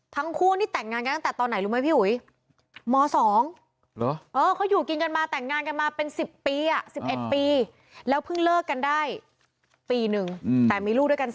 ทั้งคู่นี่แต่งงานกันตั้งแต่ตอนไหนรู้ไหมพี่อุ๋ยม๒